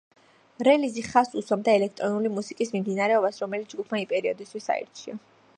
რელიზი ხაზს უსვამდა ელექტრონული მუსიკის მიმდინარეობას რომელიც ჯგუფმა იმ პერიოდისთვის აირჩია.